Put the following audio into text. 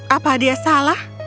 apa dia salah